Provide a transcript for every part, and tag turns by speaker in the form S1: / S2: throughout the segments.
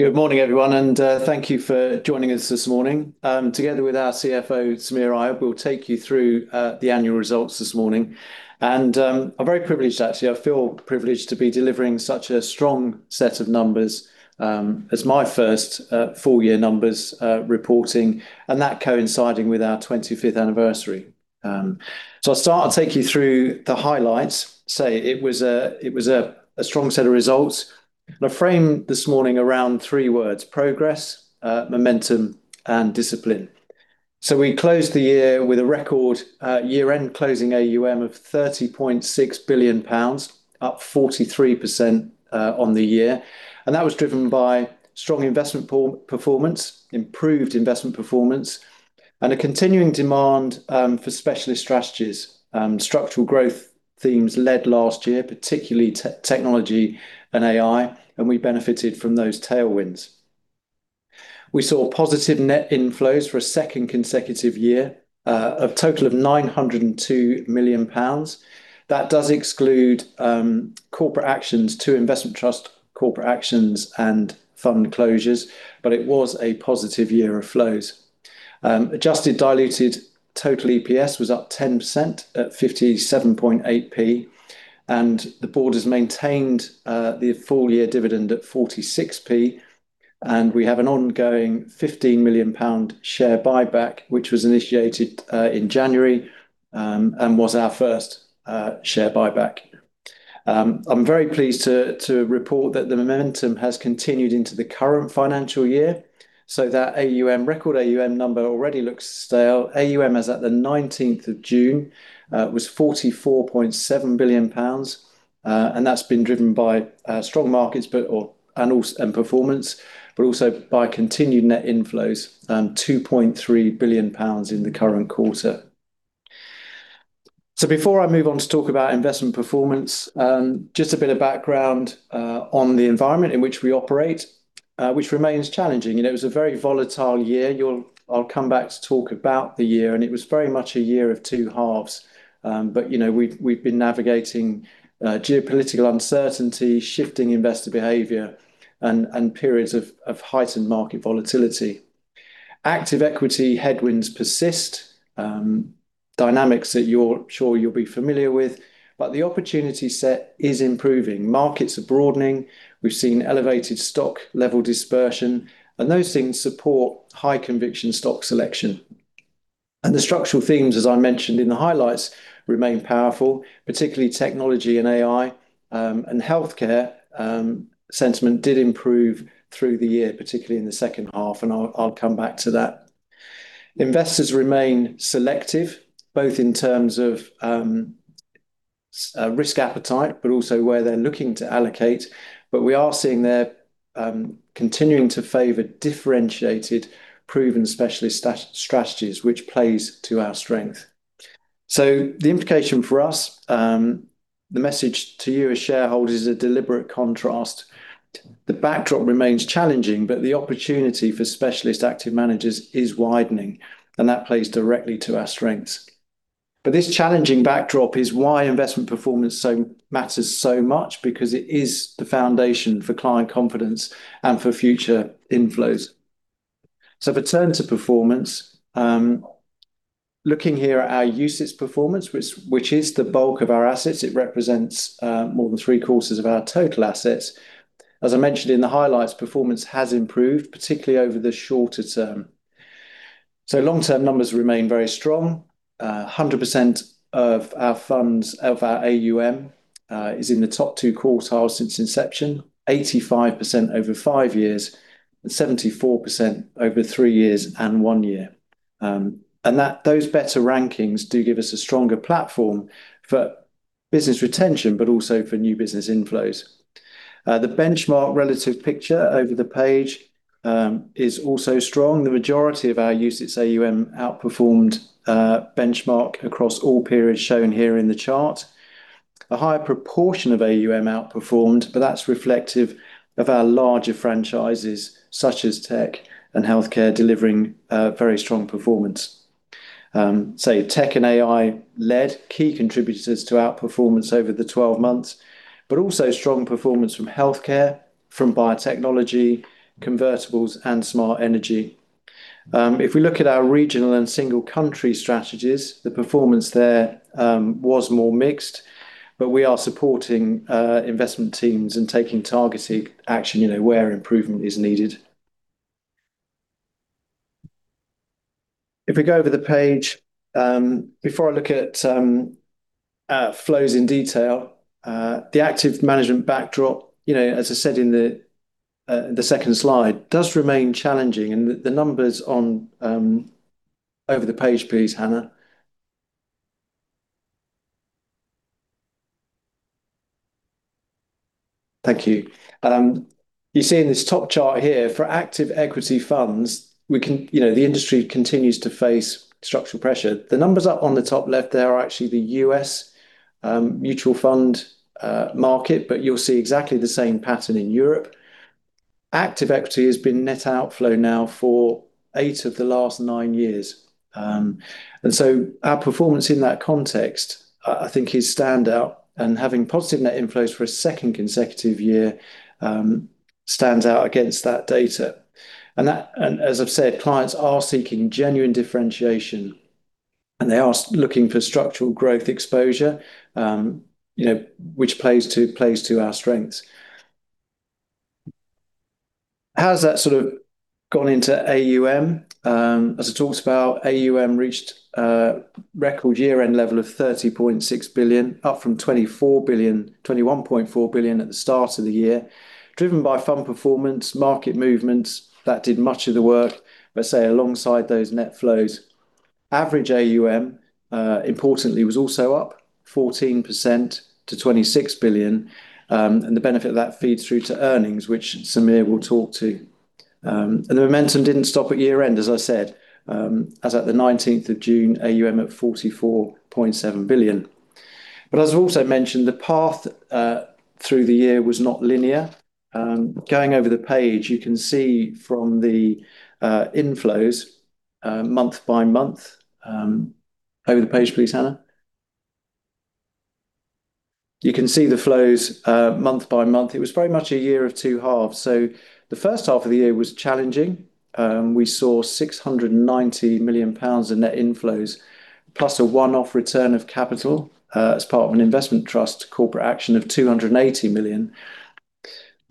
S1: Good morning, everyone, thank you for joining us this morning. Together with our CFO, Samir Ayub, we'll take you through the annual results this morning. I'm very privileged, actually. I feel privileged to be delivering such a strong set of numbers as my first full year numbers reporting, and that coinciding with our 25th anniversary. I'll start, I'll take you through the highlights. It was a strong set of results and I frame this morning around three words: progress, momentum, and discipline. We closed the year with a record year-end closing AUM of 30.6 billion pounds, up 43% on the year. That was driven by strong investment performance, improved investment performance, and a continuing demand for specialist strategies. Structural growth themes led last year, particularly technology and AI, and we benefited from those tailwinds. We saw positive net inflows for a second consecutive year of total of 902 million pounds. That does exclude corporate actions to investment trust, corporate actions and fund closures, but it was a positive year of flows. Adjusted diluted total EPS was up 10% at 0.578. The board has maintained the full-year dividend at 0.46. We have an ongoing 15 million pound share buyback, which was initiated in January, and was our first share buyback. I'm very pleased to report that the momentum has continued into the current financial year, that record AUM number already looks stale. AUM, as at the 19th of June, was 44.7 billion pounds. That's been driven by strong markets, performance, also by continued net inflows, 2.3 billion pounds in the current quarter. Before I move on to talk about investment performance, just a bit of background on the environment in which we operate, which remains challenging. It was a very volatile year. I'll come back to talk about the year, and it was very much a year of two halves. We've been navigating geopolitical uncertainty, shifting investor behavior, and periods of heightened market volatility. Active equity headwinds persist. Dynamics that I'm sure you'll be familiar with, the opportunity set is improving. Markets are broadening. We've seen elevated stock level dispersion, and those things support high-conviction stock selection. The structural themes, as I mentioned in the highlights, remain powerful, particularly technology and AI. Healthcare sentiment did improve through the year, particularly in the second half, I'll come back to that. Investors remain selective, both in terms of risk appetite, also where they're looking to allocate. We are seeing they're continuing to favor differentiated, proven specialist strategies, which plays to our strength. The implication for us, the message to you as shareholders is a deliberate contrast. The backdrop remains challenging, but the opportunity for specialist active managers is widening, and that plays directly to our strengths. This challenging backdrop is why investment performance matters so much because it is the foundation for client confidence and for future inflows. If I turn to performance, looking here at our UCITS performance, which is the bulk of our assets. It represents more than three-quarters of our total assets. As I mentioned in the highlights, performance has improved, particularly over the shorter term. Long-term numbers remain very strong. 100% of our AUM is in the top two quartiles since inception, 85% over five years, and 74% over three years and one year. Those better rankings do give us a stronger platform for business retention, also for new business inflows. The benchmark relative picture over the page is also strong. The majority of our UCITS AUM outperformed benchmark across all periods shown here in the chart. A higher proportion of AUM outperformed, but that's reflective of our larger franchises such as tech and healthcare delivering very strong performance. Tech and AI led key contributors to outperformance over the 12 months, also strong performance from healthcare, from biotechnology, convertibles, and Smart Energy. We look at our regional and single-country strategies, the performance there was more mixed, but we are supporting investment teams and taking targeted action where improvement is needed. We go over the page, before I look at flows in detail, the active management backdrop, as I said in the second slide, does remain challenging. Over the page, please, Hannah. Thank you. You see in this top chart here for active equity funds, the industry continues to face structural pressure. The numbers up on the top left there are actually the U.S. mutual fund market, but you'll see exactly the same pattern in Europe. Active equity has been net outflow now for eight of the last nine years. Our performance in that context, I think, is standout and having positive net inflows for a second consecutive year stands out against that data. As I've said, clients are seeking genuine differentiation, and they are looking for structural growth exposure, which plays to our strengths. How's that sort of gone into AUM? As I talked about, AUM reached a record year-end level of 30.6 billion, up from 21.4 billion at the start of the year, driven by fund performance, market movements that did much of the work. Say, alongside those net flows, average AUM, importantly, was also up 14% to 26 billion. The benefit of that feeds through to earnings, which Samir will talk to. The momentum didn't stop at year-end, as I said. As at the 19th of June, AUM at 44.7 billion. As I also mentioned, the path through the year was not linear. Going over the page, you can see from the inflows, month by month. Over the page, please, Hannah. You can see the flows month by month. It was very much a year of two halves. The first half of the year was challenging. We saw 690 million pounds in net inflows plus a one-off return of capital as part of an investment trust corporate action of 280 million.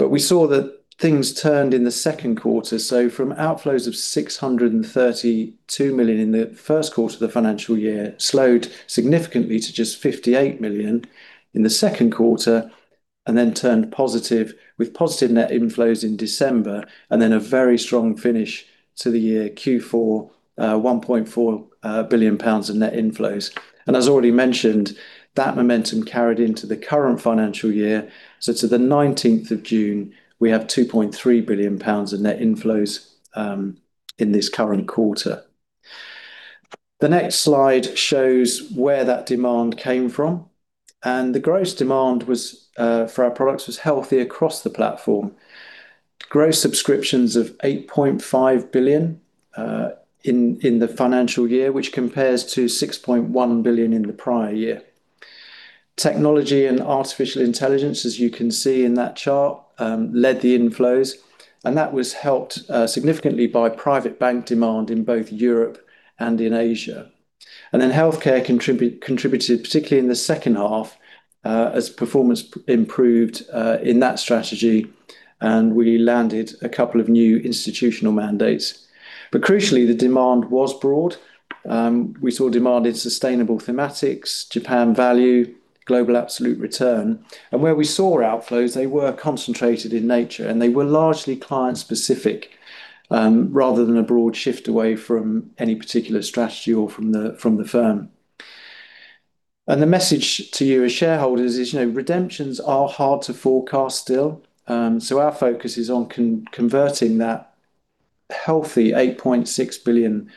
S1: We saw that things turned in the second quarter. From outflows of 632 million in the first quarter of the financial year slowed significantly to just 58 million in the second quarter. Turned positive with positive net inflows in December, then a very strong finish to the year Q4, 1.4 billion pounds in net inflows. As already mentioned, that momentum carried into the current financial year. To the 19th of June, we have 2.3 billion pounds in net inflows in this current quarter. The next slide shows where that demand came from. The gross demand for our products was healthy across the platform. Gross subscriptions of 8.5 billion in the financial year, which compares to 6.1 billion in the prior year. Technology and artificial intelligence, as you can see in that chart, led the inflows. That was helped significantly by private bank demand in both Europe and in Asia. Healthcare contributed particularly in the second half, as performance improved in that strategy, and we landed a couple of new institutional mandates. Crucially, the demand was broad. We saw demand in sustainable thematics, Japan value, global absolute return. Where we saw outflows, they were concentrated in nature, and they were largely client-specific, rather than a broad shift away from any particular strategy or from the firm. The message to you as shareholders is, redemptions are hard to forecast still. Our focus is on converting that healthy 8.6 billion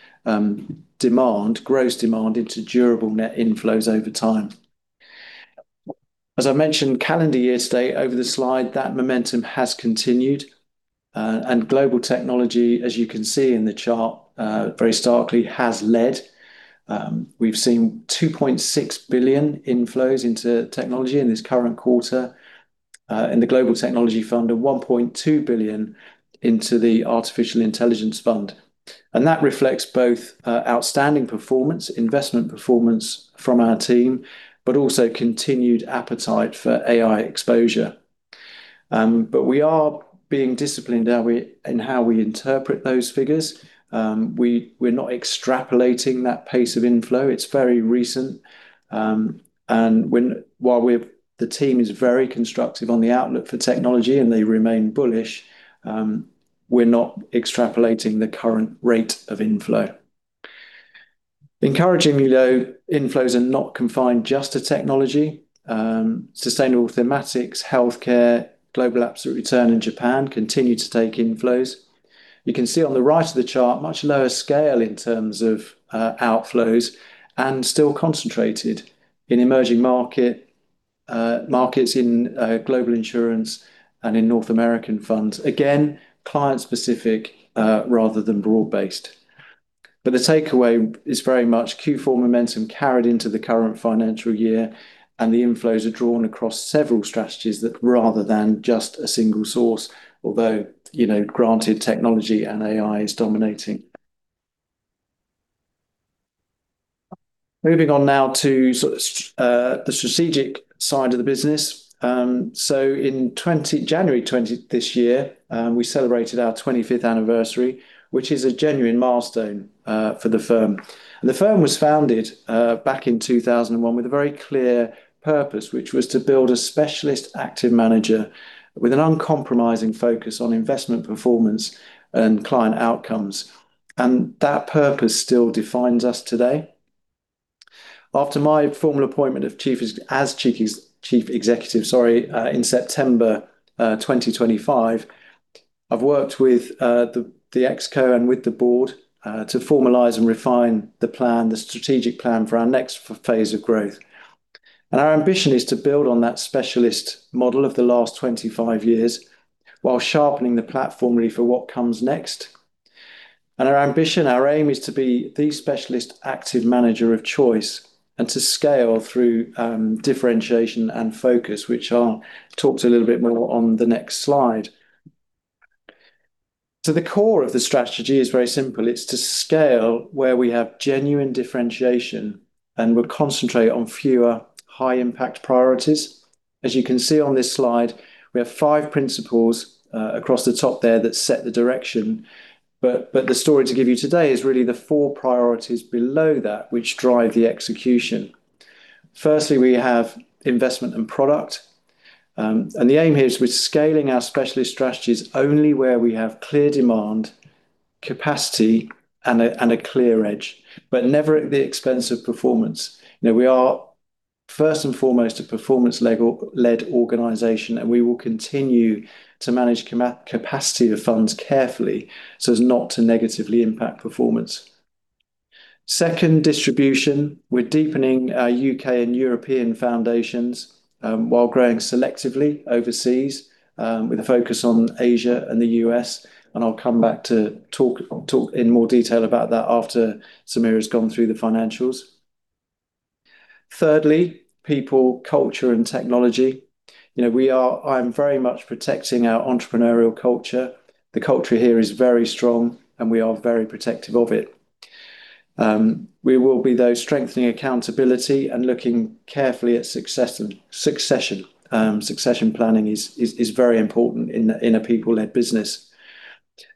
S1: gross demand into durable net inflows over time. As I mentioned, calendar year to date over the slide, that momentum has continued. Global technology, as you can see in the chart, very starkly, has led. We've seen 2.6 billion inflows into technology in this current quarter, in the Global Technology Fund of 1.2 billion into the Artificial Intelligence Fund. That reflects both outstanding performance, investment performance from our team, but also continued appetite for AI exposure. We are being disciplined in how we interpret those figures. We're not extrapolating that pace of inflow. It's very recent. While the team is very constructive on the outlook for technology and they remain bullish, we're not extrapolating the current rate of inflow. Encouragingly, though, inflows are not confined just to technology. Sustainable thematics, healthcare, global absolute return in Japan continue to take inflows. You can see on the right of the chart, much lower scale in terms of outflows and still concentrated in emerging markets, in global insurance, and in North American funds. Again, client-specific rather than broad-based. The takeaway is very much Q4 momentum carried into the current financial year, and the inflows are drawn across several strategies rather than just a single source. Although, granted technology and AI is dominating. Moving on now to the strategic side of the business. In January this year, we celebrated our 25th anniversary, which is a genuine milestone for the firm. The firm was founded back in 2001 with a very clear purpose, which was to build a specialist active manager with an uncompromising focus on investment performance and client outcomes. That purpose still defines us today. After my formal appointment as Chief Executive in September 2025, I've worked with the ExCo and with the board to formalize and refine the strategic plan for our next phase of growth. Our ambition, our aim, is to be the specialist active manager of choice and to scale through differentiation and focus, which I'll talk to a little bit more on the next slide. The core of the strategy is very simple. It's to scale where we have genuine differentiation, and we'll concentrate on fewer high-impact priorities. As you can see on this slide, we have five principles across the top there that set the direction. The story to give you today is really the four priorities below that which drive the execution. Firstly, we have investment and product. The aim here is we're scaling our specialist strategies only where we have clear demand, capacity, and a clear edge, but never at the expense of performance. We are first and foremost a performance-led organization, and we will continue to manage capacity of funds carefully so as not to negatively impact performance. Second, distribution. We're deepening our U.K. and European foundations while growing selectively overseas, with a focus on Asia and the U.S. I'll come back to talk in more detail about that after Samir has gone through the financials. Thirdly, people, culture, and technology. I'm very much protecting our entrepreneurial culture. The culture here is very strong, and we are very protective of it. We will be, though, strengthening accountability and looking carefully at succession. Succession planning is very important in a people-led business.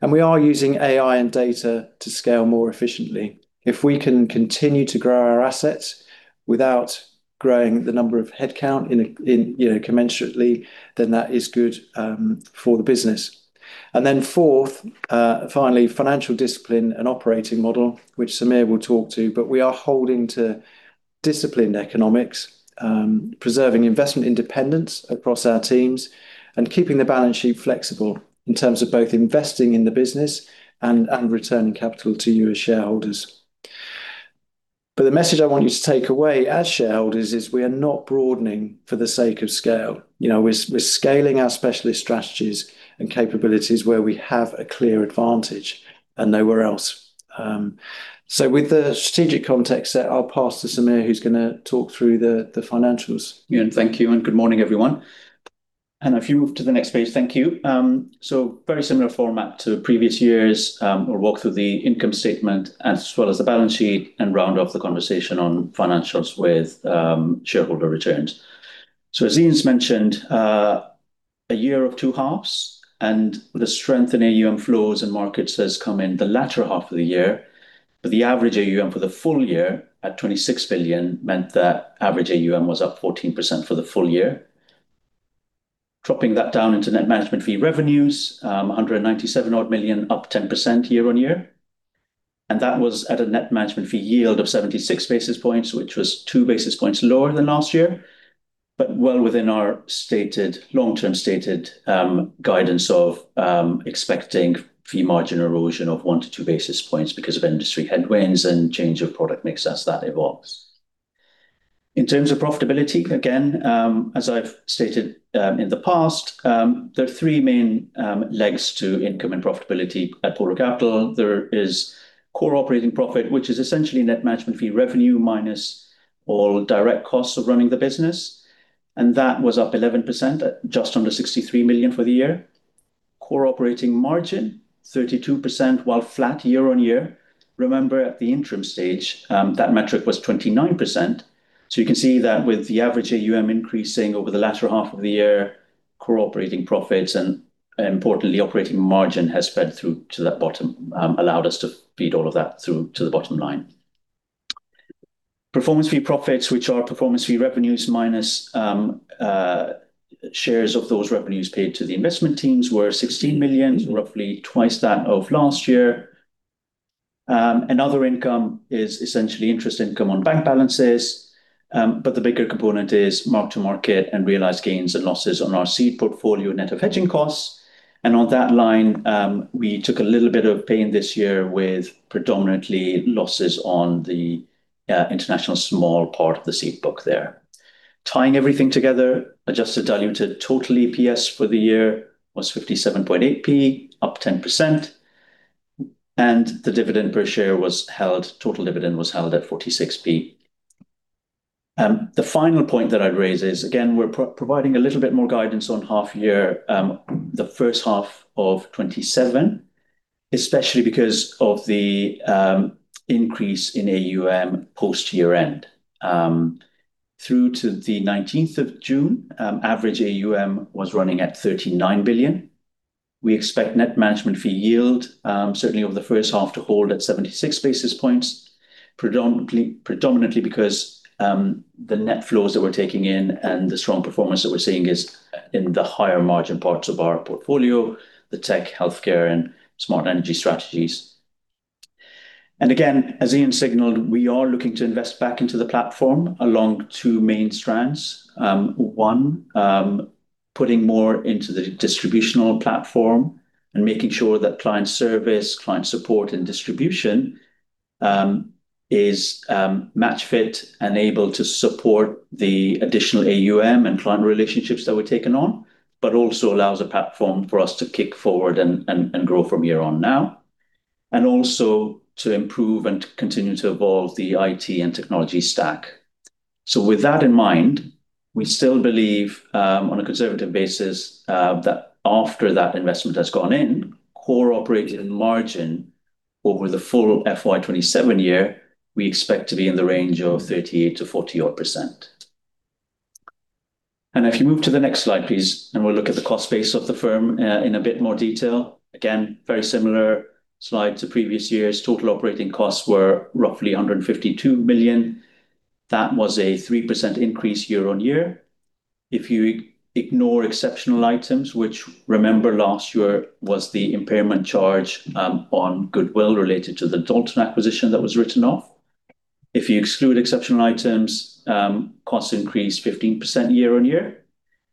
S1: We are using AI and data to scale more efficiently. If we can continue to grow our assets without growing the number of headcount commensurately, then that is good for the business. Fourth, finally, financial discipline and operating model, which Samir will talk to. We are holding to disciplined economics, preserving investment independence across our teams, and keeping the balance sheet flexible in terms of both investing in the business and returning capital to you as shareholders. The message I want you to take away as shareholders is we are not broadening for the sake of scale. We're scaling our specialist strategies and capabilities where we have a clear advantage and nowhere else. With the strategic context set, I'll pass to Samir, who's going to talk through the financials.
S2: Iain, thank you, and good morning, everyone. If you move to the next page. Thank you. Very similar format to previous years. We'll walk through the income statement as well as the balance sheet and round off the conversation on financials with shareholder returns. As Iain's mentioned, a year of two halves and the strength in AUM flows and markets has come in the latter half of the year. The average AUM for the full year at 26 billion meant that average AUM was up 14% for the full year. Dropping that down into net management fee revenues, 197 million, up 10% year-on-year. That was at a net management fee yield of 76 basis points, which was 2 basis points lower than last year, but well within our long-term stated guidance of expecting fee margin erosion of 1 to 2 basis points because of industry headwinds and change of product mix as that evolves. In terms of profitability, again, as I've stated in the past, there are three main legs to income and profitability at Polar Capital. There is core operating profit, which is essentially net management fee revenue minus all direct costs of running the business, and that was up 11% at just under 63 million for the year. Core operating margin, 32%, while flat year-on-year. Remember at the interim stage, that metric was 29%. You can see that with the average AUM increasing over the latter half of the year, core operating profits and importantly, operating margin has fed through to that bottom, allowed us to feed all of that through to the bottom line. Performance fee profits, which are performance fee revenues minus shares of those revenues paid to the investment teams, were 16 million, roughly twice that of last year. Other income is essentially interest income on bank balances. The bigger component is mark to market and realized gains and losses on our seed portfolio, net of hedging costs. On that line, we took a little bit of pain this year with predominantly losses on the international small part of the seed book there. Tying everything together, adjusted diluted total EPS for the year was 0.578, up 10%. The dividend per share was held, total dividend was held at 0.46. The final point that I'd raise is, again, we're providing a little bit more guidance on half year, the first half of 2027, especially because of the increase in AUM post-year-end. Through to the 19th of June, average AUM was running at 39 billion. We expect net management fee yield, certainly over the first half, to hold at 76 basis points, predominantly because the net flows that we're taking in and the strong performance that we're seeing is in the higher margin parts of our portfolio, the tech, healthcare, and smart energy strategies. Again, as Iain signaled, we are looking to invest back into the platform along two main strands. One, putting more into the distributional platform and making sure that client service, client support, and distribution is match fit and able to support the additional AUM and client relationships that we're taking on, but also allows a platform for us to kick forward and grow from here on now, and also to improve and continue to evolve the IT and technology stack. With that in mind, we still believe, on a conservative basis, that after that investment has gone in, core operating margin over the full FY 2027 year, we expect to be in the range of 38%-40%-odd. If you move to the next slide, please, we'll look at the cost base of the firm in a bit more detail. Again, very similar slide to previous years. Total operating costs were roughly 152 million. That was a 3% increase year-on-year. If you ignore exceptional items, which remember last year was the impairment charge on goodwill related to the Dalton acquisition that was written off. If you exclude exceptional items, costs increased 15% year-on-year.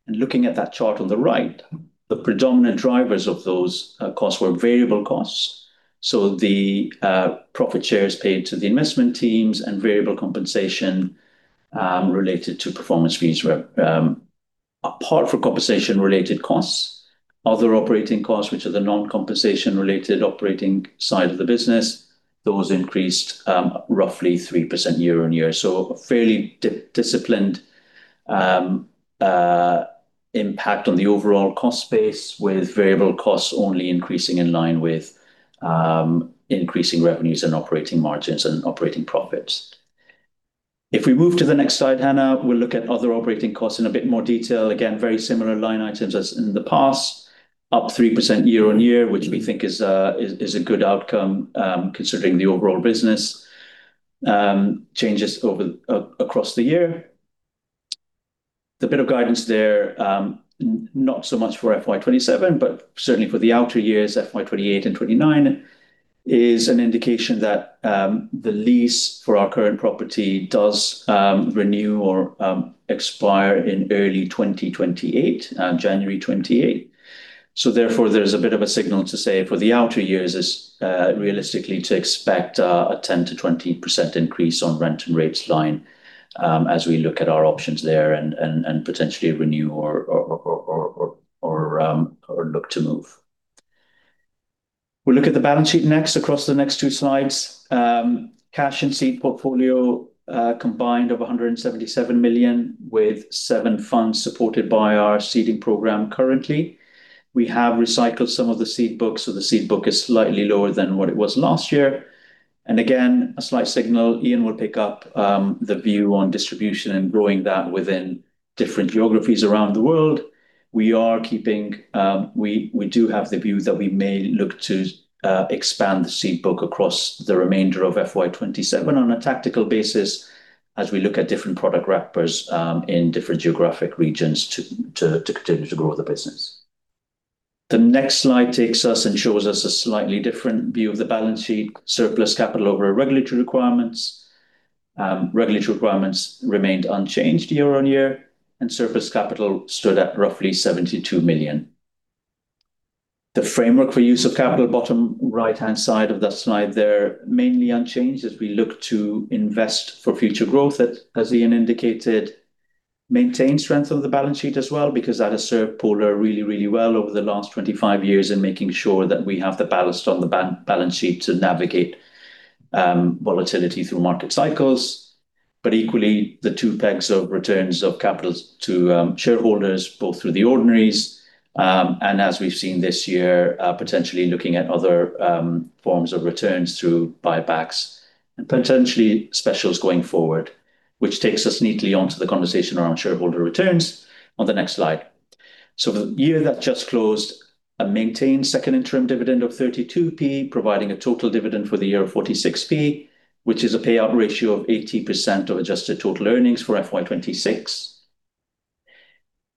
S2: Looking at that chart on the right, the predominant drivers of those costs were variable costs. The profit shares paid to the investment teams and variable compensation related to performance fees were apart from compensation-related costs. Other operating costs, which are the non-compensation related operating side of the business, those increased roughly 3% year-on-year. Fairly disciplined impact on the overall cost base with variable costs only increasing in line with increasing revenues and operating margins and operating profits. If we move to the next slide, Hannah, we'll look at other operating costs in a bit more detail. Very similar line items as in the past, up 3% year-on-year, which we think is a good outcome considering the overall business changes across the year. The bit of guidance there, not so much for FY 2027, but certainly for the outer years, FY 2028 and 2029, is an indication that the lease for our current property does renew or expire in early 2028, January 2028. Therefore, there's a bit of a signal to say for the outer years is realistically to expect a 10%-20% increase on rent and rates line as we look at our options there and potentially renew or look to move. We'll look at the balance sheet next across the next two slides. Cash and seed portfolio combined of 177 million with seven funds supported by our seeding program currently. We have recycled some of the seed book, the seed book is slightly lower than what it was last year. Again, a slight signal, Iain will pick up the view on distribution and growing that within different geographies around the world. We do have the view that we may look to expand the seed book across the remainder of FY 2027 on a tactical basis as we look at different product wrappers in different geographic regions to continue to grow the business. The next slide takes us and shows us a slightly different view of the balance sheet. Surplus capital over our regulatory requirements. Regulatory requirements remained unchanged year-on-year, and surplus capital stood at roughly 72 million. The framework for use of capital, bottom right-hand side of that slide there, mainly unchanged as we look to invest for future growth. As Iain indicated, maintain strength of the balance sheet as well, because that has served Polar really, really well over the last 25 years in making sure that we have the ballast on the balance sheet to navigate volatility through market cycles. Equally, the two pegs of returns of capitals to shareholders, both through the ordinaries, and as we've seen this year, potentially looking at other forms of returns through buybacks and potentially specials going forward. Which takes us neatly onto the conversation around shareholder returns on the next slide. The year that just closed, a maintained second interim dividend of 0.32, providing a total dividend for the year of 0.46, which is a payout ratio of 80% of adjusted total earnings for FY 2026.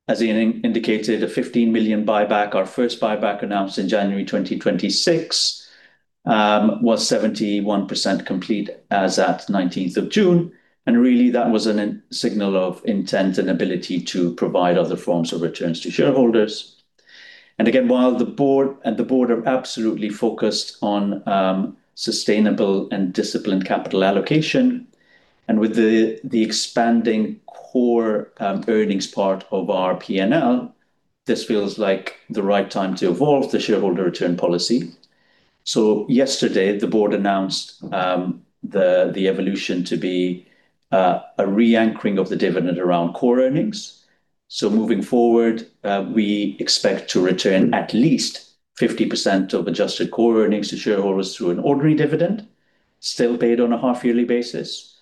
S2: As Iain indicated, a 15 million buyback. Our first buyback announced in January 2026 was 71% complete as at 19th of June. Really that was a signal of intent and ability to provide other forms of returns to shareholders. Again, while the board are absolutely focused on sustainable and disciplined capital allocation, and with the expanding core earnings part of our P&L, this feels like the right time to evolve the shareholder return policy. Yesterday, the board announced the evolution to be a re-anchoring of the dividend around core earnings. Moving forward, we expect to return at least 50% of adjusted core earnings to shareholders through an ordinary dividend, still paid on a half-yearly basis,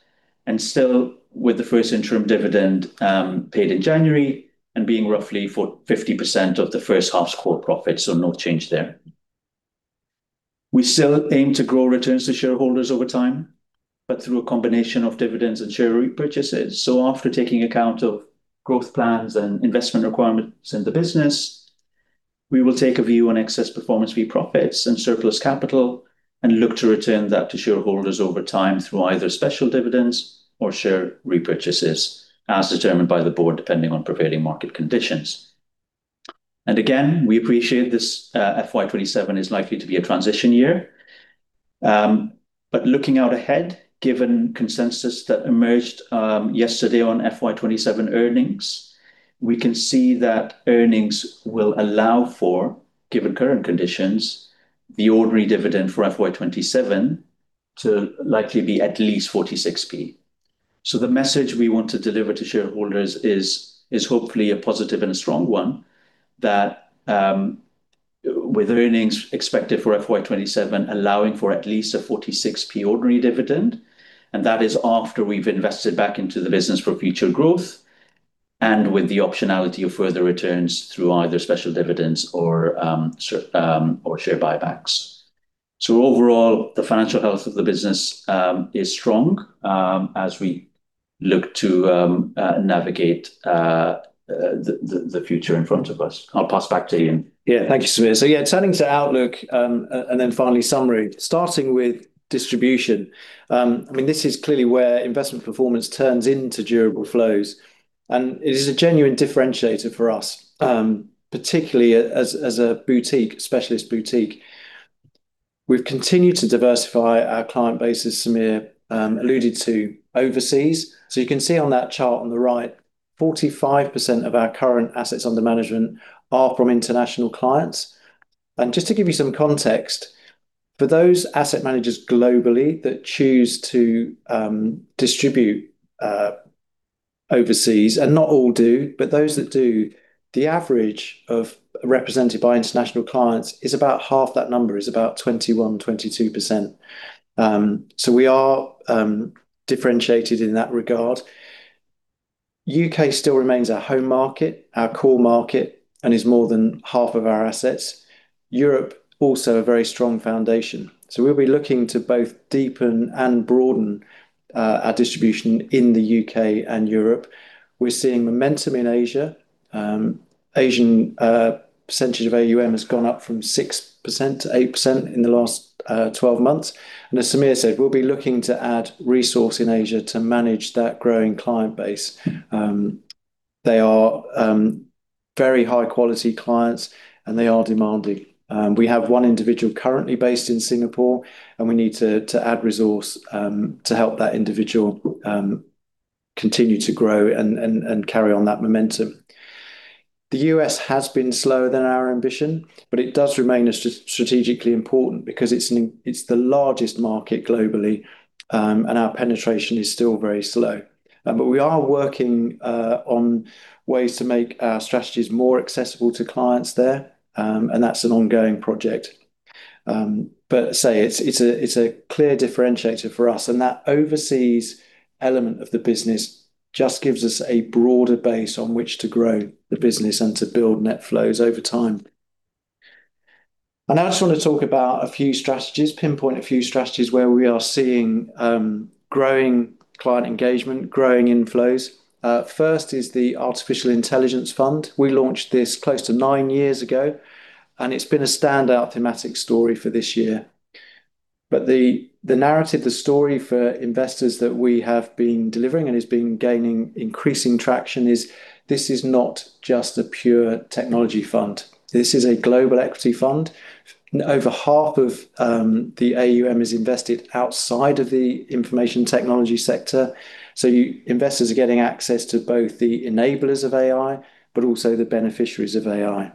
S2: and still with the first interim dividend paid in January and being roughly 50% of the first half's core profit. No change there. We still aim to grow returns to shareholders over time, through a combination of dividends and share repurchases. After taking account of growth plans and investment requirements in the business, we will take a view on excess performance fee profits and surplus capital and look to return that to shareholders over time through either special dividends or share repurchases as determined by the board, depending on prevailing market conditions. Again, we appreciate this FY 2027 is likely to be a transition year. Looking out ahead, given consensus that emerged yesterday on FY 2027 earnings, we can see that earnings will allow for, given current conditions, the ordinary dividend for FY 2027 to likely be at least 0.46. The message we want to deliver to shareholders is hopefully a positive and a strong one, that with earnings expected for FY 2027 allowing for at least a 0.46 ordinary dividend, and that is after we've invested back into the business for future growth, and with the optionality of further returns through either special dividends or share buybacks. Overall, the financial health of the business is strong as we look to navigate the future in front of us. I'll pass back to Iain.
S1: Thank you, Samir. Turning to outlook, finally summary. Starting with distribution. This is clearly where investment performance turns into durable flows, and it is a genuine differentiator for us, particularly as a specialist boutique. We've continued to diversify our client base, as Samir alluded to, overseas. You can see on that chart on the right, 45% of our current assets under management are from international clients. Just to give you some context, for those asset managers globally that choose to distribute overseas, and not all do, but those that do, the average represented by international clients is about half that number. Is about 21%, 22%. We are differentiated in that regard. U.K. still remains our home market, our core market, and is more than half of our assets. Europe, also a very strong foundation. We'll be looking to both deepen and broaden our distribution in the U.K. and Europe. We're seeing momentum in Asia. Asian percentage of AUM has gone up from 6%-8% in the last 12 months. As Samir said, we'll be looking to add resource in Asia to manage that growing client base. They are very high-quality clients, and they are demanding. We have one individual currently based in Singapore, and we need to add resource to help that individual continue to grow and carry on that momentum. The U.S. has been slower than our ambition, it does remain as strategically important because it's the largest market globally, and our penetration is still very slow. We are working on ways to make our strategies more accessible to clients there, and that's an ongoing project. As I say, it's a clear differentiator for us, and that overseas element of the business just gives us a broader base on which to grow the business and to build net flows over time. I just want to talk about a few strategies, pinpoint a few strategies where we are seeing growing client engagement, growing inflows. First is the Artificial Intelligence Fund. We launched this close to nine years ago, and it's been a standout thematic story for this year. The narrative, the story for investors that we have been delivering and has been gaining increasing traction is this is not just a pure technology fund. This is a global equity fund. Over half of the AUM is invested outside of the information technology sector. Investors are getting access to both the enablers of AI, but also the beneficiaries of AI.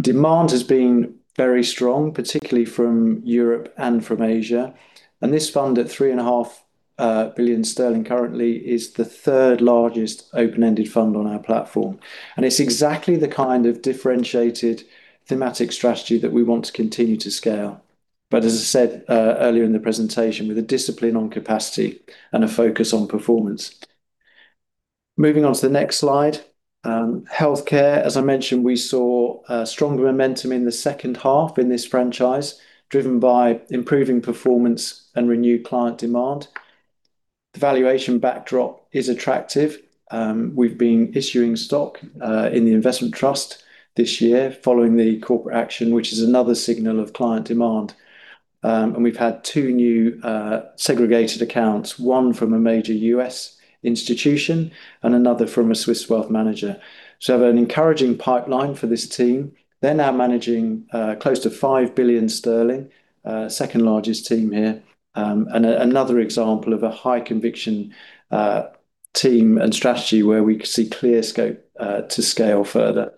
S1: Demand has been very strong, particularly from Europe and from Asia. This fund, at 3.5 billion sterling currently, is the third-largest open-ended fund on our platform. It's exactly the kind of differentiated thematic strategy that we want to continue to scale. As I said earlier in the presentation, with a discipline on capacity and a focus on performance. Moving on to the next slide. Healthcare. As I mentioned, we saw stronger momentum in the second half in this franchise, driven by improving performance and renewed client demand. The valuation backdrop is attractive. We've been issuing stock in the investment trust this year following the corporate action, which is another signal of client demand. We've had two new segregated accounts, one from a major U.S. institution and another from a Swiss wealth manager. We have an encouraging pipeline for this team. They're now managing close to 5 billion sterling. Second-largest team here. Another example of a high-conviction team and strategy where we could see clear scope to scale further.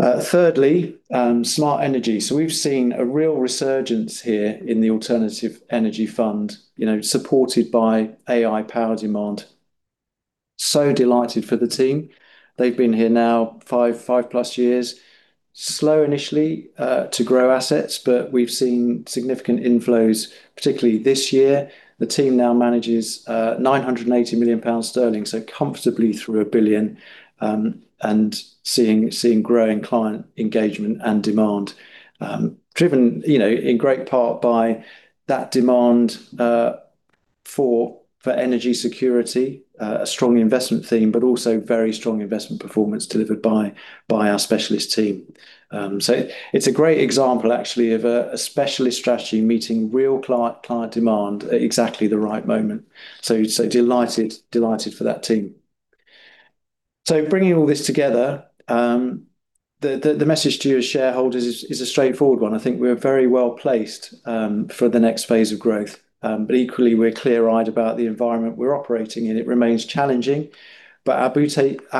S1: Thirdly, Smart Energy. We've seen a real resurgence here in the Smart Energy Fund, supported by AI power demand. Delighted for the team. They've been here now five-plus years. Slow initially to grow assets, but we've seen significant inflows, particularly this year. The team now manages 980 million pounds, so comfortably through 1 billion, seeing growing client engagement and demand. Driven in great part by that demand for energy security, a strong investment theme, but also very strong investment performance delivered by our specialist team. It's a great example, actually, of a specialist strategy meeting real client demand at exactly the right moment. Delighted for that team. Bringing all this together, the message to you as shareholders is a straightforward one. I think we're very well-placed for the next phase of growth. Equally, we're clear-eyed about the environment we're operating in. It remains challenging, but our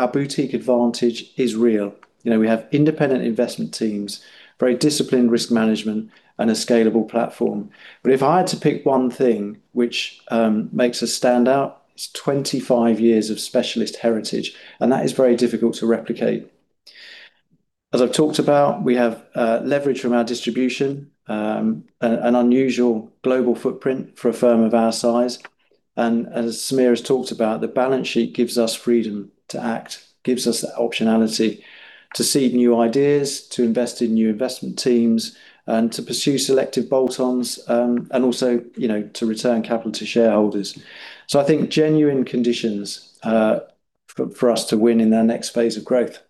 S1: boutique advantage is real. We have independent investment teams, very disciplined risk management, and a scalable platform. If I had to pick one thing which makes us stand out, it's 25 years of specialist heritage, and that is very difficult to replicate. As I've talked about, we have leverage from our distribution, an unusual global footprint for a firm of our size. As Samir has talked about, the balance sheet gives us freedom to act, gives us that optionality to seed new ideas, to invest in new investment teams, and to pursue selective bolt-ons, and also to return capital to shareholders. I think genuine conditions for us to win in our next phase of growth.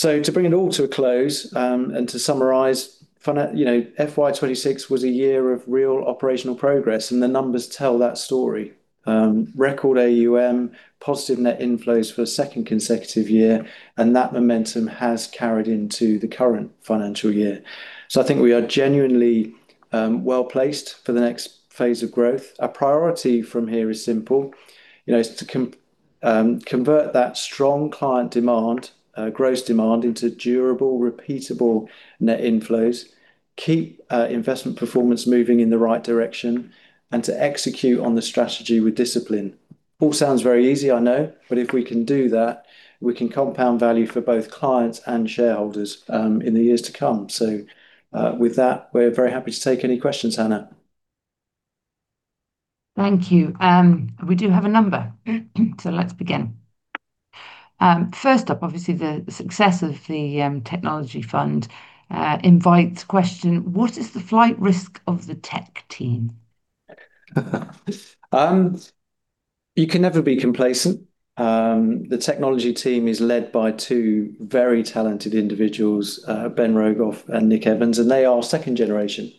S1: To bring it all to a close and to summarize, FY 2026 was a year of real operational progress, and the numbers tell that story. Record AUM, positive net inflows for a second consecutive year, and that momentum has carried into the current financial year. I think we are genuinely well-placed for the next phase of growth. Our priority from here is simple. It is to convert that strong client demand, gross demand into durable, repeatable net inflows, keep investment performance moving in the right direction, and to execute on the strategy with discipline. All sounds very easy, I know. If we can do that, we can compound value for both clients and shareholders in the years to come. With that, we are very happy to take any questions, Hannah.
S3: Thank you. We do have a number. Let us begin. First up, obviously, the success of the Technology Fund invites question. What is the flight risk of the Technology team?
S1: You can never be complacent. The Technology team is led by two very talented individuals, Ben Rogoff and Nick Evans, and they are second generation.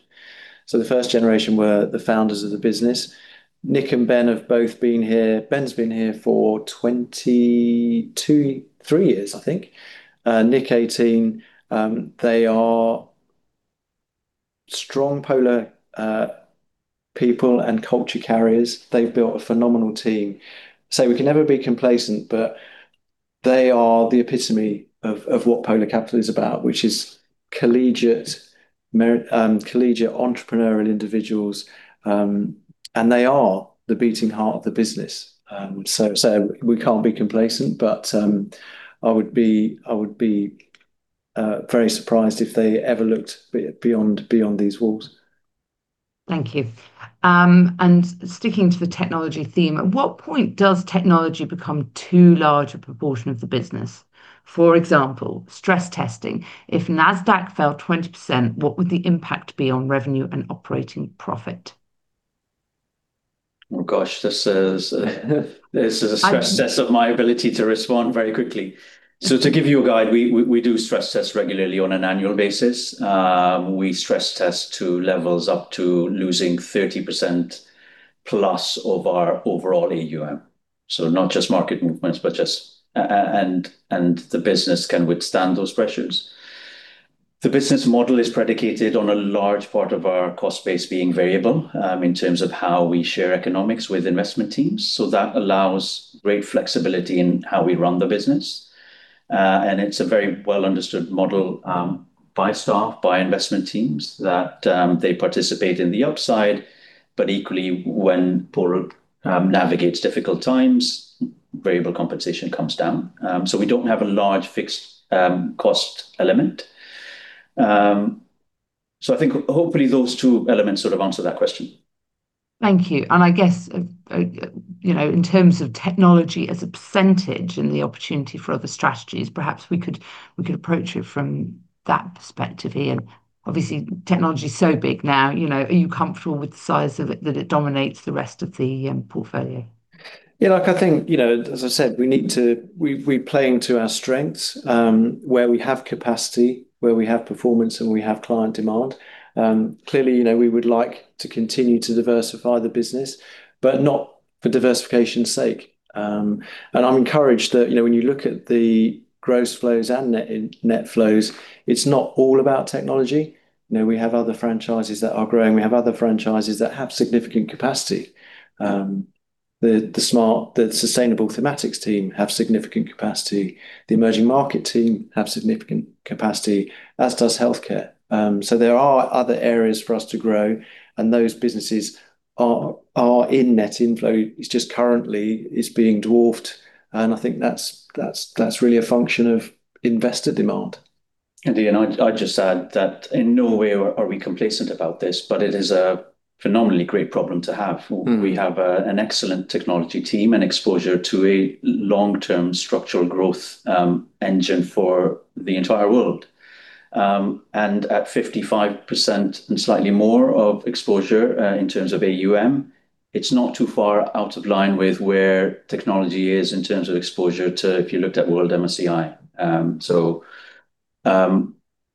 S1: The first generation were the founders of the business. Nick and Ben have both been here. Ben has been here for 23 years, I think. Nick, 18. They are strong Polar people and culture carriers. They have built a phenomenal team. We can never be complacent, but they are the epitome of what Polar Capital is about, which is collegiate entrepreneurial individuals. They are the beating heart of the business. We cannot be complacent, but I would be very surprised if they ever looked beyond these walls.
S3: Thank you. Sticking to the Technology theme, at what point does technology become too large a proportion of the business? For example, stress testing. If Nasdaq fell 20%, what would the impact be on revenue and operating profit?
S2: Oh, gosh, this is a stress test of my ability to respond very quickly. To give you a guide, we do stress test regularly on an annual basis. We stress test to levels up to losing 30%+ of our overall AUM. Not just market movements, and the business can withstand those pressures. The business model is predicated on a large part of our cost base being variable, in terms of how we share economics with investment teams. That allows great flexibility in how we run the business. It's a very well-understood model by staff, by investment teams that they participate in the upside, but equally, when Polar navigates difficult times, variable compensation comes down. We don't have a large fixed cost element. I think hopefully those two elements sort of answer that question.
S3: Thank you. I guess, in terms of technology as a percentage and the opportunity for other strategies, perhaps we could approach it from that perspective here. Obviously, technology's so big now. Are you comfortable with the size of it, that it dominates the rest of the portfolio?
S1: Yeah, look, I think, as I said, we're playing to our strengths, where we have capacity, where we have performance, and we have client demand. Clearly, we would like to continue to diversify the business, but not for diversification's sake. I'm encouraged that when you look at the gross flows and net flows, it's not all about technology. We have other franchises that are growing. We have other franchises that have significant capacity. The sustainable thematics team have significant capacity. The emerging market team have significant capacity, as does healthcare. There are other areas for us to grow, and those businesses are in net inflow. It's just currently it's being dwarfed, and I think that's really a function of investor demand.
S2: I'd just add that in no way are we complacent about this, but it is a phenomenally great problem to have. We have an excellent technology team and exposure to a long-term structural growth engine for the entire world. At 55% and slightly more of exposure, in terms of AUM, it's not too far out of line with where technology is in terms of exposure to if you looked at World MSCI.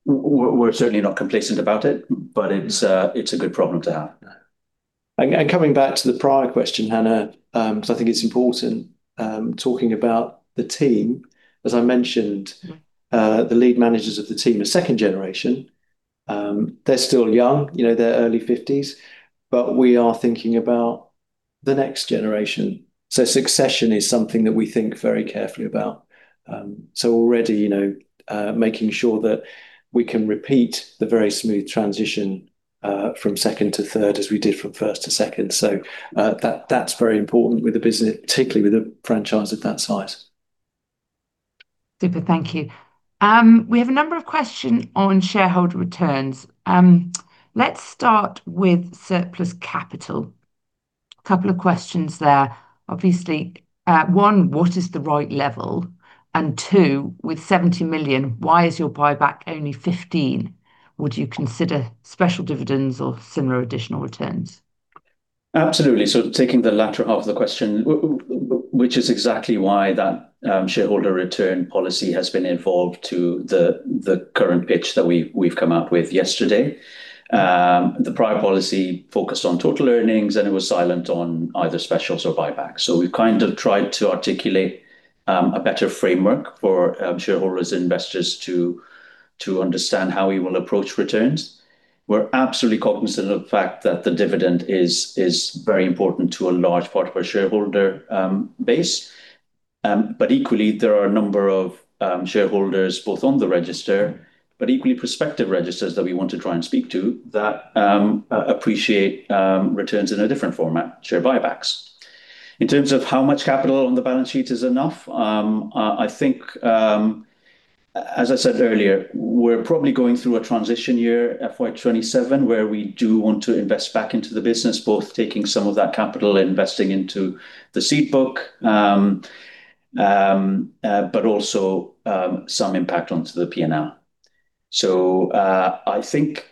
S2: We're certainly not complacent about it, but it's a good problem to have.
S1: Coming back to the prior question, Hannah, because I think it's important, talking about the team, as I mentioned, the lead managers of the team are second generation. They're still young, their early 50s, but we are thinking about the next generation. Succession is something that we think very carefully about. Already making sure that we can repeat the very smooth transition from second to third as we did from first to second. That's very important with the business, particularly with a franchise of that size.
S3: Super. Thank you. We have a number of questions on shareholder returns. Let's start with surplus capital. Couple of questions there. Obviously, one, what is the right level? Two, with 70 million, why is your buyback only 15 million? Would you consider special dividends or similar additional returns?
S2: Absolutely. Taking the latter half of the question, which is exactly why that shareholder return policy has been evolved to the current pitch that we've come up with yesterday. The prior policy focused on total earnings, and it was silent on either specials or buybacks. We've kind of tried to articulate a better framework for shareholders and investors to understand how we will approach returns. We're absolutely cognizant of the fact that the dividend is very important to a large part of our shareholder base. Equally, there are a number of shareholders, both on the register, but equally prospective registers that we want to try and speak to, that appreciate returns in a different format, share buybacks. In terms of how much capital on the balance sheet is enough, I think, as I said earlier, we're probably going through a transition year, FY 2027, where we do want to invest back into the business, both taking some of that capital, investing into the seed book, but also, some impact onto the P&L. I think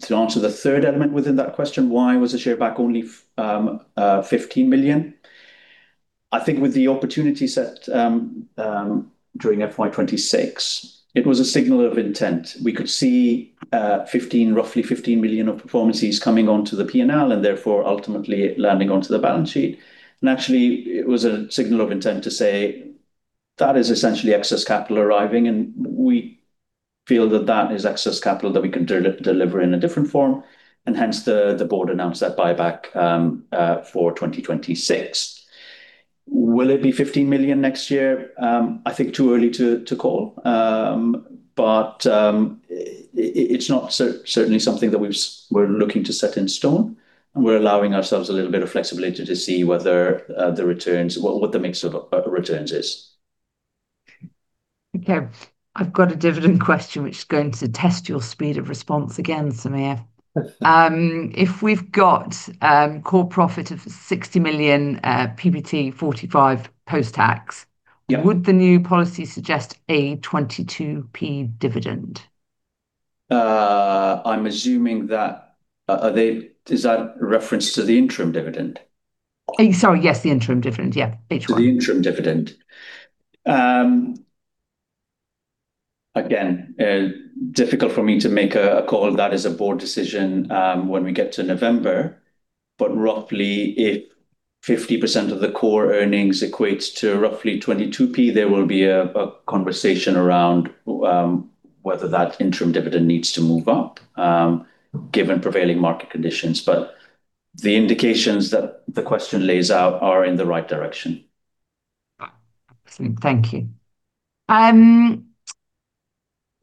S2: to answer the third element within that question, why was the share back only 15 million? I think with the opportunity set during FY 2026, it was a signal of intent. We could see roughly 15 million of performances coming onto the P&L, and therefore, ultimately landing onto the balance sheet. Actually, it was a signal of intent to say, that is essentially excess capital arriving, and we feel that that is excess capital that we can deliver in a different form. Hence the board announced that buyback for 2026. Will it be 15 million next year? I think too early to call. It's not certainly something that we're looking to set in stone, and we're allowing ourselves a little bit of flexibility to see what the mix of returns is.
S3: Okay. I've got a dividend question, which is going to test your speed of response again, Samir. If we've got core profit of 60 million PBT, 45 million post-tax. Would the new policy suggest a 0.22 dividend?
S2: I'm assuming that, is that reference to the interim dividend?
S3: Sorry, yes, the interim dividend. Yeah. H1.
S2: To the interim dividend. Difficult for me to make a call. That is a board decision when we get to November. Roughly, if 50% of the core earnings equates to roughly 0.22, there will be a conversation around whether that interim dividend needs to move up, given prevailing market conditions. The indications that the question lays out are in the right direction.
S3: Awesome. Thank you.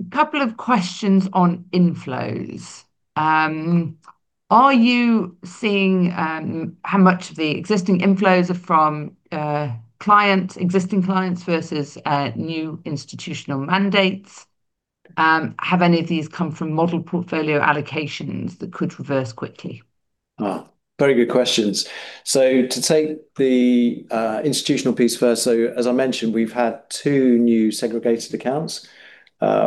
S3: Couple of questions on inflows. Are you seeing how much of the existing inflows are from existing clients versus new institutional mandates? Have any of these come from model portfolio allocations that could reverse quickly?
S1: Oh, very good questions. To take the institutional piece first. As I mentioned, we've had two new segregated accounts.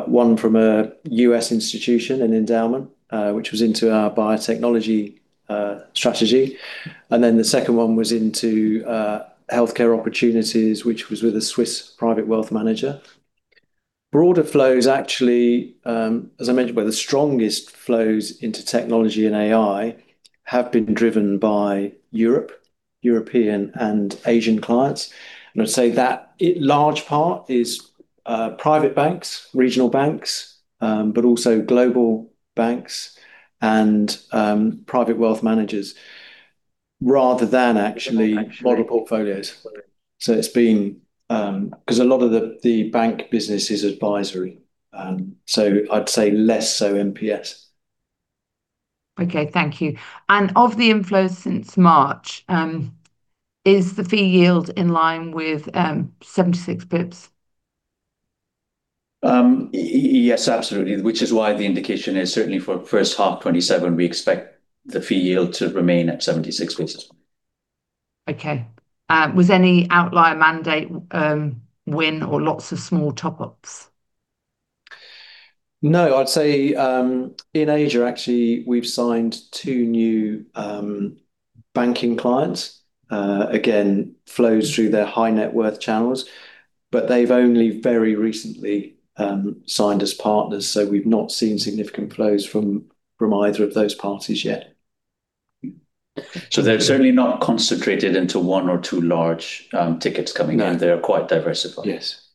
S1: One from a U.S. institution, an endowment, which was into our biotechnology strategy. The second one was into healthcare opportunities, which was with a Swiss private wealth manager. Broader flows actually, as I mentioned, where the strongest flows into technology and AI have been driven by Europe, European and Asian clients. I'd say that, large part is private banks, regional banks, but also global banks and private wealth managers rather than actually model portfolios. It's been, because a lot of the bank business is advisory. I'd say less so MPS.
S3: Okay, thank you. Of the inflows since March, is the fee yield in line with 76 bps?
S2: Yes, absolutely, which is why the indication is certainly for first half 2027, we expect the fee yield to remain at 76 bps.
S3: Okay. Was any outlier mandate win or lots of small top-ups?
S1: No. I'd say, in Asia, actually, we've signed two new Banking clients, again, flows through their high net worth channels, but they've only very recently signed as partners, so we've not seen significant flows from either of those parties yet.
S2: They're certainly not concentrated into one or two large tickets coming in. They're quite diversified.
S1: Yes.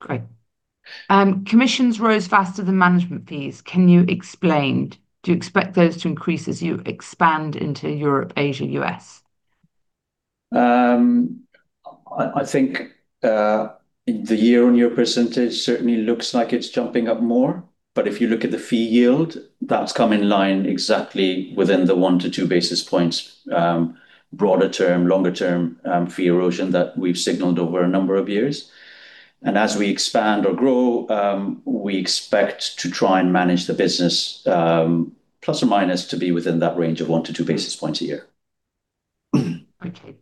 S3: Great. Commissions rose faster than management fees. Can you explain? Do you expect those to increase as you expand into Europe, Asia, U.S.?
S2: I think the year-on-year percentage certainly looks like it's jumping up more. But if you look at the fee yield, that's come in line exactly within the 1 to 2 basis points, broader term, longer term, fee erosion that we've signaled over a number of years. And as we expand or grow, we expect to try and manage the business, plus or minus, to be within that range of 1 to 2 basis points a year.
S3: Okay.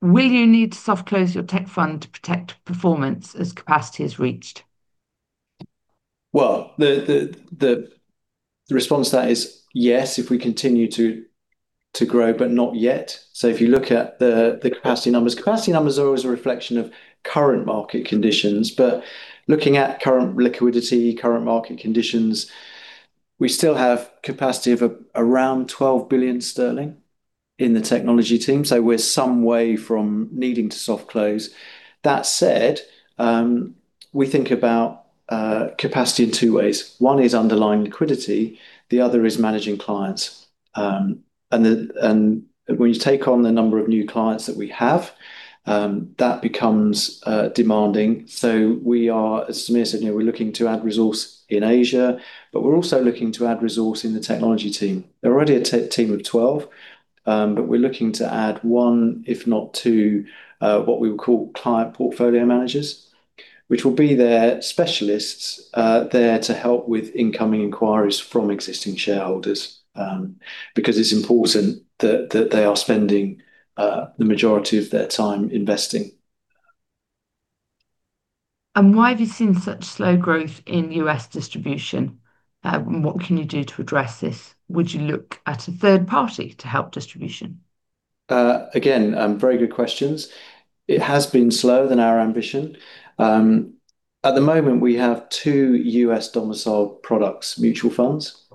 S3: Will you need to soft close your tech fund to protect performance as capacity is reached?
S1: Well, the response to that is yes, if we continue to grow, but not yet. If you look at the capacity numbers, capacity numbers are always a reflection of current market conditions. But looking at current liquidity, current market conditions, we still have capacity of around 12 billion sterling in the Technology Team. So we're some way from needing to soft close. That said, we think about capacity in two ways. One is underlying liquidity, the other is managing clients. And when you take on the number of new clients that we have, that becomes demanding. We are, as Samir said, we're looking to add resource in Asia, but we're also looking to add resource in the Technology Team. They're already a team of 12, but we're looking to add one, if not two, what we would call client portfolio managers, which will be their specialists there to help with incoming inquiries from existing shareholders, because it's important that they are spending the majority of their time investing.
S3: Why have you seen such slow growth in U.S. distribution? What can you do to address this? Would you look at a third party to help distribution?
S1: Very good questions. It has been slower than our ambition. At the moment, we have two U.S. domiciled products mutual funds,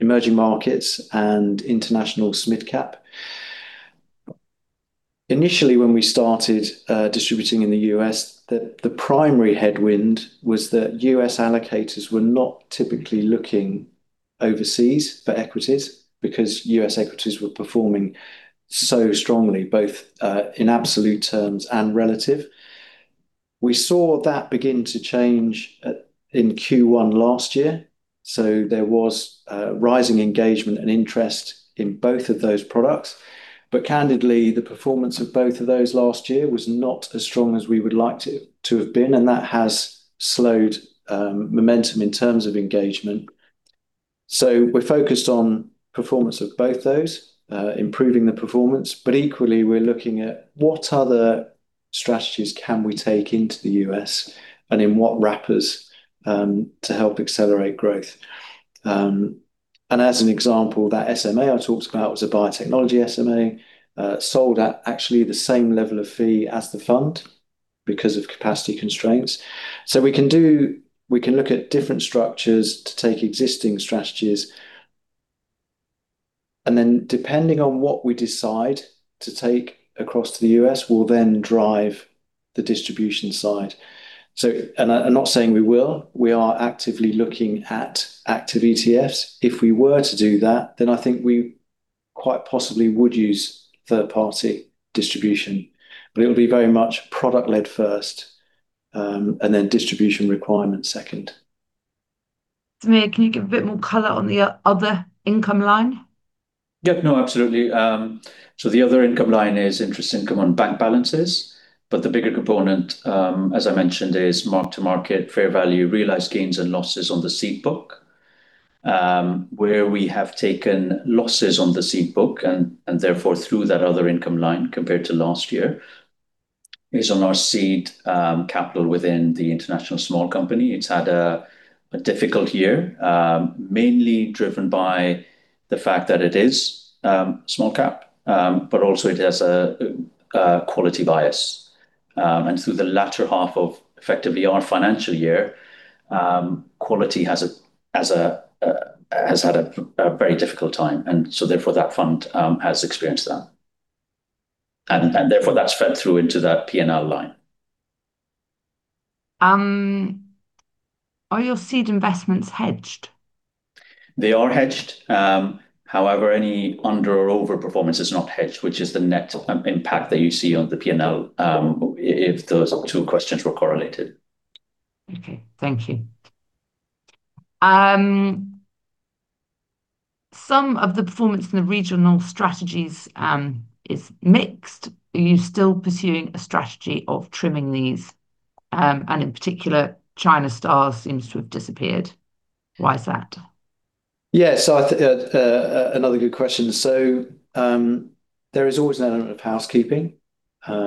S1: emerging markets and International Small Cap. Initially, when we started distributing in the U.S., the primary headwind was that U.S. allocators were not typically looking overseas for equities because U.S. equities were performing so strongly, both in absolute terms and relative. We saw that begin to change in Q1 last year. There was rising engagement and interest in both of those products. Candidly, the performance of both of those last year was not as strong as we would like to have been, and that has slowed momentum in terms of engagement. We're focused on performance of both those, improving the performance, but equally, we're looking at what other strategies can we take into the U.S. and in what wrappers to help accelerate growth. As an example, that SMA I talked about was a biotechnology SMA, sold at actually the same level of fee as the fund because of capacity constraints. We can look at different structures to take existing strategies. Depending on what we decide to take across to the U.S., we'll then drive the distribution side. I'm not saying we will. We are actively looking at active ETFs. If we were to do that, then I think we quite possibly would use third-party distribution. It'll be very much product-led first, and then distribution requirements second.
S3: Samir, can you give a bit more color on the other income line?
S2: Absolutely. The other income line is interest income on bank balances. The bigger component, as I mentioned, is mark-to-market fair value, realized gains and losses on the seed book, where we have taken losses on the seed book and therefore through that other income line compared to last year, is on our seed capital within the International Small Company. It's had a difficult year, mainly driven by the fact that it is small cap, but also it has a quality bias. Through the latter half of effectively our financial year, quality has had a very difficult time, therefore that fund has experienced that. Therefore, that's fed through into that P&L line.
S3: Are your seed investments hedged?
S2: They are hedged. However, any under or over performance is not hedged, which is the net impact that you see on the P&L, if those two questions were correlated.
S3: Okay. Thank you. Some of the performance in the regional strategies is mixed. Are you still pursuing a strategy of trimming these? In particular, China Stars seems to have disappeared. Why is that?
S1: I think another good question. There is always an element of housekeeping.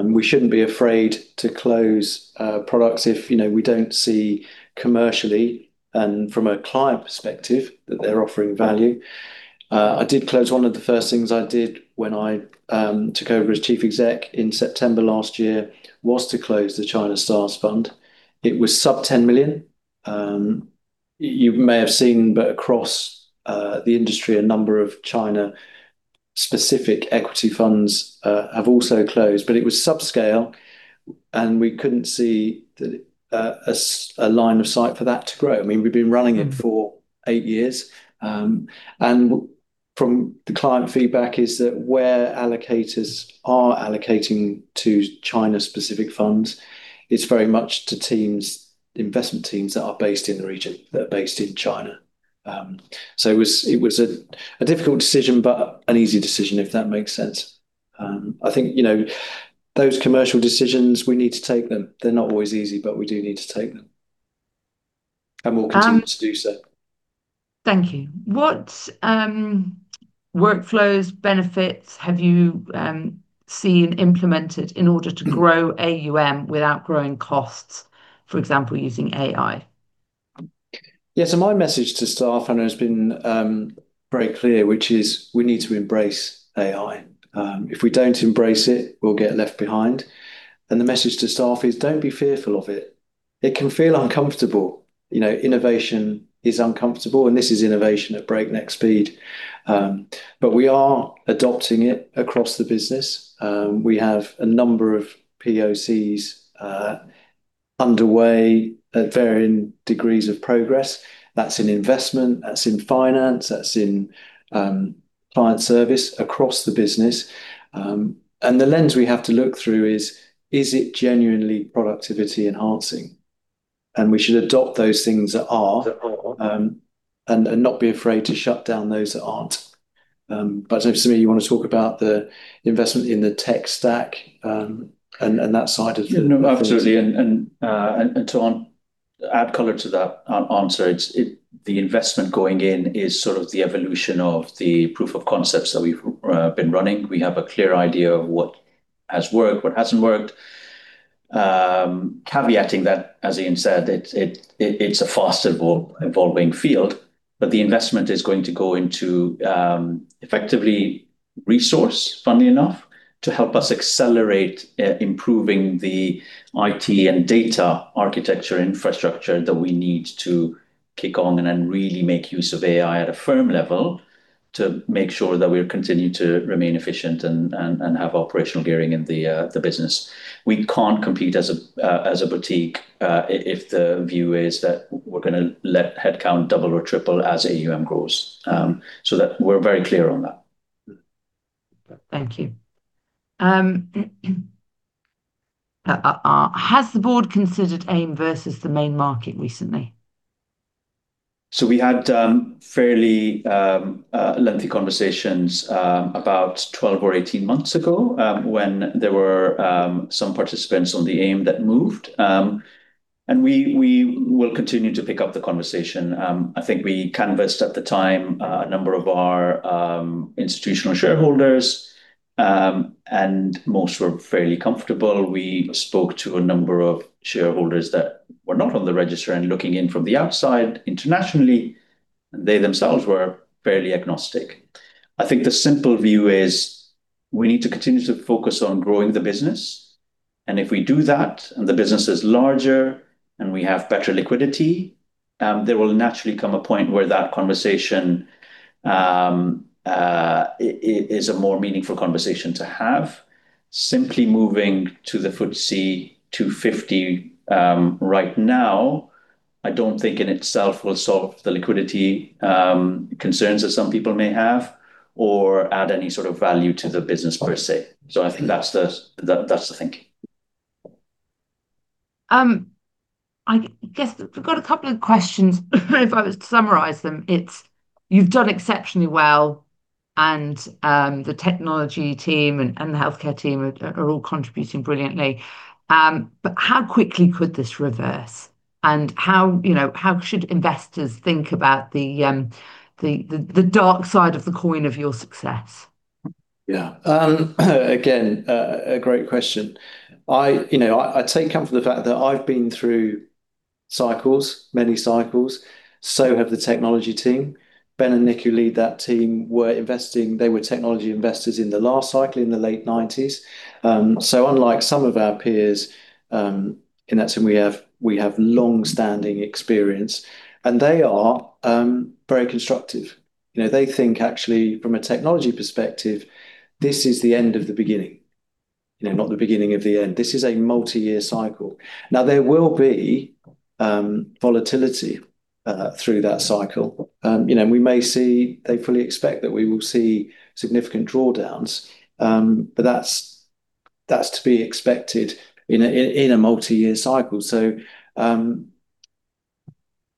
S1: We shouldn't be afraid to close products if we don't see commercially and from a client perspective that they're offering value. I did close one of the first things I did when I took over as Chief Exec in September last year, was to close the China Stars Fund. It was sub-GBP 10 million. You may have seen, across the industry, a number of China-specific equity funds have also closed. It was subscale, and we couldn't see a line of sight for that to grow. We've been running it for eight years. From the client feedback is that where allocators are allocating to China-specific funds, it's very much to investment teams that are based in the region, that are based in China. It was a difficult decision, but an easy decision, if that makes sense. I think, those commercial decisions, we need to take them. They're not always easy, but we do need to take them. We'll continue to do so.
S3: Thank you. What workflows, benefits have you seen implemented in order to grow AUM without growing costs, for example, using AI?
S1: My message to staff, it has been very clear, which is we need to embrace AI. If we don't embrace it, we'll get left behind. The message to staff is, don't be fearful of it. It can feel uncomfortable. Innovation is uncomfortable, this is innovation at breakneck speed. We are adopting it across the business. We have a number of POCs underway at varying degrees of progress. That's in investment, that's in finance, that's in client service, across the business. The lens we have to look through is it genuinely productivity enhancing? We should adopt those things that are. Not be afraid to shut down those that aren't. I don't know, Samir, you want to talk about the investment in the tech stack, that side of.
S2: No, absolutely. To add color to that answer. The investment going in is sort of the evolution of the proof of concepts that we've been running. We have a clear idea of what has worked, what hasn't worked. Caveating that, as Iain said, it's a fast evolving field. The investment is going to go into effectively resource, funnily enough, to help us accelerate improving the IT and data architecture infrastructure that we need to kick on and then really make use of AI at a firm level to make sure that we continue to remain efficient and have operational gearing in the business. We can't compete as a boutique, if the view is that we're going to let headcount double or triple as AUM grows. That we're very clear on that.
S3: Thank you. Has the board considered AIM versus the main market recently?
S2: We had fairly lengthy conversations about 12 or 18 months ago, when there were some participants on the AIM that moved. We will continue to pick up the conversation. I think we canvassed at the time a number of our institutional shareholders, and most were fairly comfortable. We spoke to a number of shareholders that were not on the register and looking in from the outside internationally, and they themselves were fairly agnostic. I think the simple view is we need to continue to focus on growing the business. If we do that and the business is larger and we have better liquidity, there will naturally come a point where that conversation is a more meaningful conversation to have. Simply moving to the FTSE 250 right now, I don't think in itself will solve the liquidity concerns that some people may have or add any sort of value to the business per se. I think that's the thinking.
S3: I guess we've got a couple of questions. If I was to summarize them, it's you've done exceptionally well and the technology team and the healthcare team are all contributing brilliantly. How quickly could this reverse? How should investors think about the dark side of the coin of your success?
S1: Yeah. Again, a great question. I take comfort in the fact that I've been through cycles, many cycles, so have the technology team. Ben and Nick, who lead that team, they were technology investors in the last cycle in the late 1990s. Unlike some of our peers, in that team we have longstanding experience, and they are very constructive. They think, actually, from a technology perspective, this is the end of the beginning, not the beginning of the end. This is a multi-year cycle. Now, there will be volatility through that cycle. They fully expect that we will see significant drawdowns. That's to be expected in a multi-year cycle. I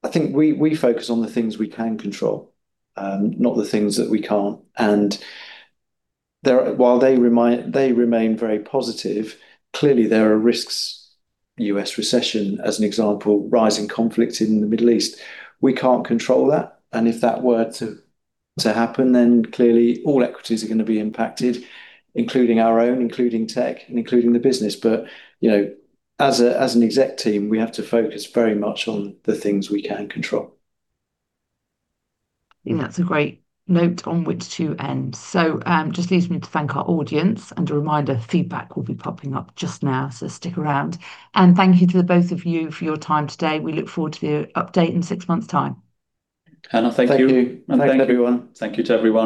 S1: think we focus on the things we can control, not the things that we can't. While they remain very positive. Clearly, there are risks, U.S. recession, as an example, rising conflict in the Middle East. We can't control that. If that were to happen, then clearly all equities are going to be impacted, including our own, including tech, and including the business. As an exec team, we have to focus very much on the things we can control.
S3: I think that's a great note on which to end. Just leaves me to thank our audience. A reminder, feedback will be popping up just now, so stick around. Thank you to the both of you for your time today. We look forward to the update in six months' time.
S1: Hannah, thank you.
S2: Thank you everyone.
S1: Thank you to everyone.